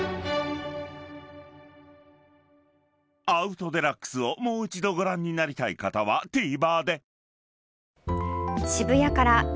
［『アウト×デラックス』をもう一度ご覧になりたい方はＴＶｅｒで］